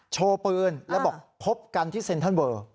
โชว์ปืนแล้วบอกพบกันที่เซ็นทรัลเวอร์